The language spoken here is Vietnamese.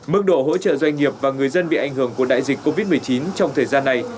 mức độ hỗ trợ doanh nghiệp và người dân bị ảnh hưởng của đại dịch covid một mươi chín trong thời gian này